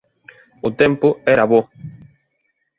O tempo era bo.